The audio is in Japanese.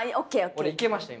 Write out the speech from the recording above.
俺いけました今。